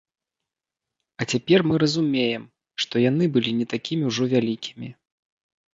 А цяпер мы разумеем, што яны былі не такімі ўжо вялікімі.